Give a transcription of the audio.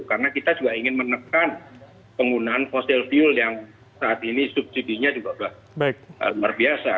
karena kita juga ingin menekan penggunaan fossil fuel yang saat ini subsidinya juga berubah